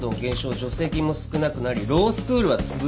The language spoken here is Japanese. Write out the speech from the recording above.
助成金も少なくなりロースクールはつぶれる。